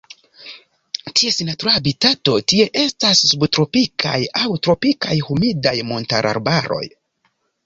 Ties natura habitato tie estas subtropikaj aŭ tropikaj humidaj montararbaroj.